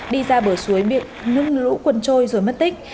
đi ra bờ suối bị nước lũ cuốn trôi rồi mất tích